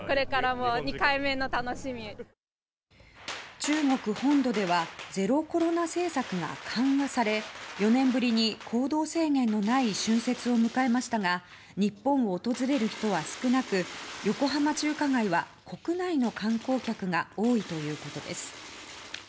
中国本土ではゼロコロナ政策が緩和され４年ぶりに行動制限のない春節を迎えましたが日本を訪れる人は少なく横浜中華街は国内の観光客が多いということです。